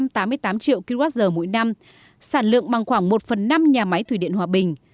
năm trăm tám mươi tám triệu kwh mỗi năm sản lượng bằng khoảng một phần năm nhà máy thủy điện hòa bình